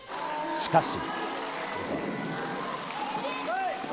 しかし。